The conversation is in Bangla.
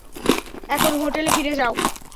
এখন হোটেলে ফিরে যাও!